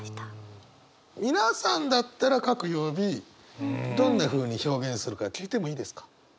皆さんだったら各曜日どんなふうに表現するか聞いてもいいですか？